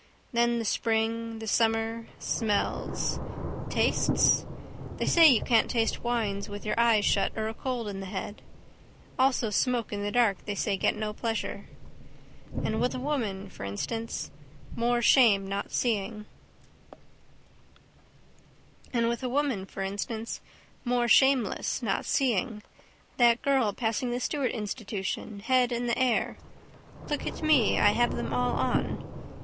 Then the spring, the summer: smells. Tastes? They say you can't taste wines with your eyes shut or a cold in the head. Also smoke in the dark they say get no pleasure. And with a woman, for instance. More shameless not seeing. That girl passing the Stewart institution, head in the air. Look at me. I have them all on.